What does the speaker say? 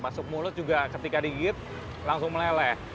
masuk mulut juga ketika digigit langsung meleleh